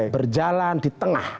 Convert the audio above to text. berjalan di tengah